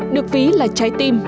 được ví là trái tim